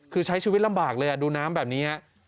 คือใช้ชีวิตลำบากเลยดูน้ำแบบนี้